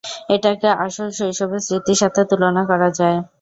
এটাকে আসলে শৈশবের স্মৃতির সাথে তুলনা করা যায়!